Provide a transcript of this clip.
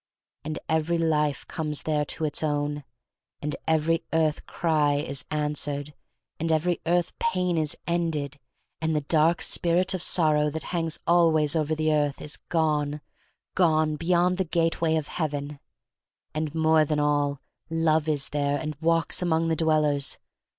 And every life comes 1 98 THE STORY OF MARY MAC LANE there to its own; and every earth cry is answered, and every earth pain is ended; and the dark spirit of Sorrow that hangs always over the earth is gone — gone, — beyond the gateway of Heaven. And more than all, Love is there and walks among the dwellers.